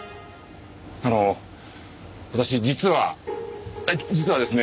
あの私実は実はですね